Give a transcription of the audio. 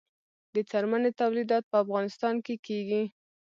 د څرمنې تولیدات په افغانستان کې کیږي